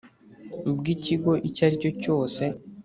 ubw ikigo icyo ari cyo cyose